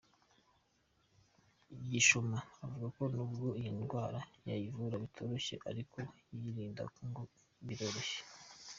Gishoma avuga ko n’ubwo iyindwara kuyivura bitoroshye, ariko kuyirinda ngo biroroshye.